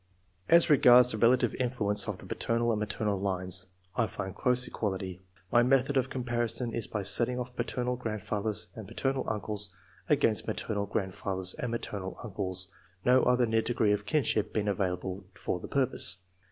As regards the relative influence of the paternal and maternal lines, I find close equality. My method of comparison is by setting oflf paternal grandfathers and paternal uncles against maternal grandfathers and maternal uncles, no other near degree of kinship being available for the purpose.